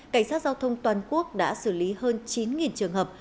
cảnh sát giao thông toàn quốc đã xử lý hơn chín trường hợp